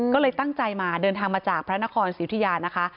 ก็เลยตั้งใจมาเดินทางมาจากพระนครสิวทิยานะคะ